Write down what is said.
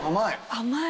甘い。